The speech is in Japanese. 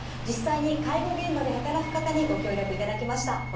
実際に介護現場で働く方にご協力いただきました。